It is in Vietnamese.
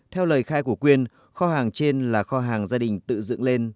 theo lời khai của quyên kho hàng trên là kho hàng gia đình tự dựng lên